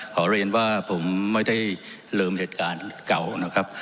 ขอเรียนว่าผมไม่ได้ลืมเหตุการณ์เก่านะครับ